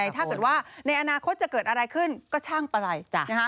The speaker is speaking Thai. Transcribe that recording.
ถ้าเกิดว่าในอนาคตจะเกิดอะไรขึ้นก็ช่างไป